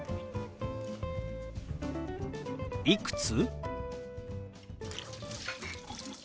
「いくつ？」。